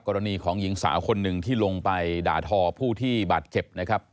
กรณีของหญิงสาวคนหนึ่งที่ลงไปด่าทอผู้ที่บาดเจ็บนะครับ